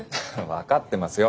分かってますよ。